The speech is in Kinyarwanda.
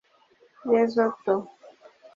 Lesotho